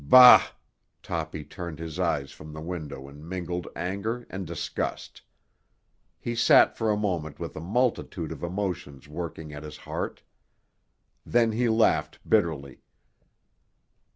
"Bah!" Toppy turned his eyes from the window in mingled anger and disgust. He sat for a moment with a multitude of emotions working at his heart. Then he laughed bitterly.